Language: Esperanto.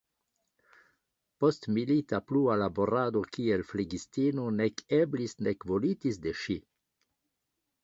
Postmilita plua laborado kiel flegistino nek eblis nek volitis de ŝi.